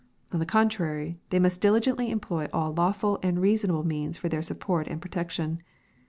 On the contrary they must diligently employ all lawful and reasonable means for their support and protection.